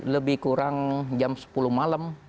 lebih kurang jam sepuluh